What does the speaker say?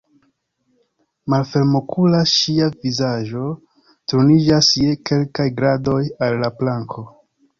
Malfermokula, ŝia vizaĝo turniĝas je kelkaj gradoj al la planko.